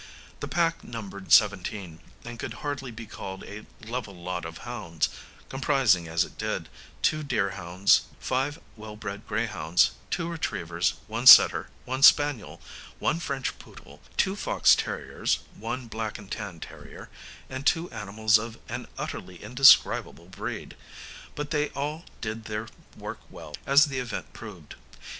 The pack numbered seventeen, and could hardly be called a level lot of hounds, comprising, as it did, two deerhounds, five well bred greyhounds, two retrievers, one setter, one spaniel, one French poodle, two fox terriers, one black and tan terrier, and two animals of an utterly indescribable breed; but they all did their work well, as the event proved.